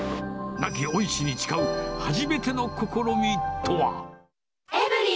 亡き恩師に誓う初めての試みとは。